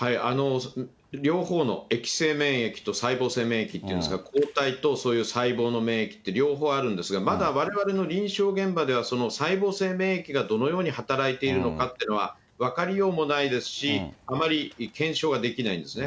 両方のえきせい免疫と細胞性免疫というんですが、抗体とそういう細胞の免疫って両方あるんですが、まだわれわれの臨床現場では、その細胞性免疫がどのように働いているのかっていうのは、分かりようもないですし、あまり検証ができないんですね。